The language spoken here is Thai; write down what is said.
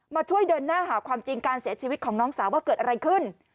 มาช่วยเดินหน้าหาความจริงการเสียชีวิตของน้องสาวว่าเกิดอะไรขึ้น